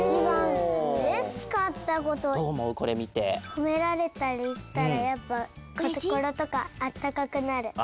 ほめられたりしたらやっぱこころとかあったかくなる。